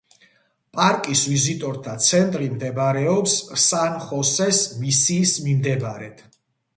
პარკის ვიზიტორთა ცენტრი მდებარეობს სან-ხოსეს მისიის მიმდებარედ.